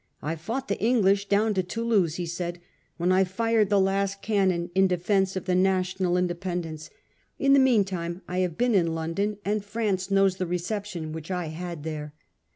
£ I fought the Eng lish down to Toulouse,' he said, ' when I fired the last cannon in defence of the national independence ; in the meantime I have been in London, and France knows the reception which I had there.